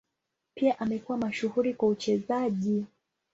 Pia amekuwa mashuhuri kwa uchezaji.